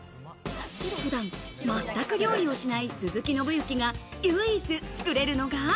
普段、全く料理をしない鈴木伸之が唯一つくれるのが。